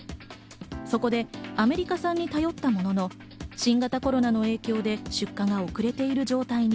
そこでアメリカ産に頼ったものの、新型コロナの影響で出荷が遅れている状態に。